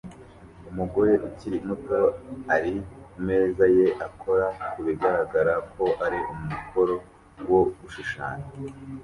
Umugore ukiri muto ari ku meza ye akora ku bigaragara ko ari umukoro wo gushushanya